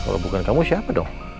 kalau bukan kamu siapa dong